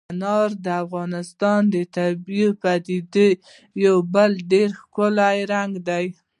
انار د افغانستان د طبیعي پدیدو یو بل ډېر ښکلی رنګ دی.